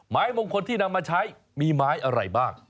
ไม้มงคลที่นำมาใช้มีไม้อะไรบ้าง